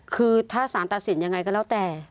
คือถ้าสารตัดสินยังไงก็แล้วแต่